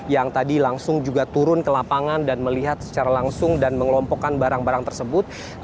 yang tadi langsung juga turun ke lapangan dan melihat secara langsung dan mengelompokkan barang barang tersebut